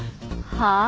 はあ？